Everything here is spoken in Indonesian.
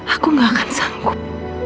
aku gak akan sanggup